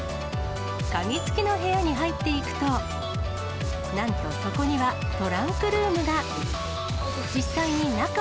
鍵付きの部屋に入っていくと、なんとそこにはトランクルームが。